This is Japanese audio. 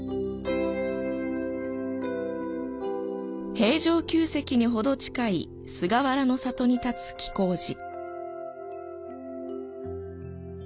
平城宮跡にほど近い菅原の里に建つ喜光寺。